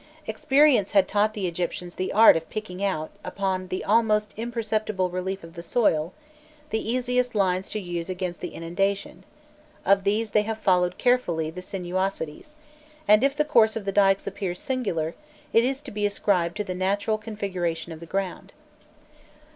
Experience had taught the Egyptians the art of picking out, upon the almost imperceptible relief of the soil, the easiest lines to use against the inundation: of these they have followed carefully the sinuosities, and if the course of the dykes appears singular, it is to be ascribed to the natural configuration of the ground.